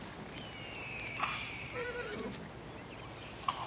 ああ。